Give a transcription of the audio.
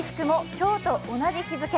今日と同じ日付。